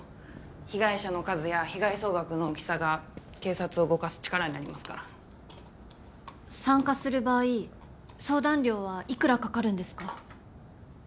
被害者の数や被害総額の大きさが警察を動かす力になりますから参加する場合相談料はいくらかかるんですか？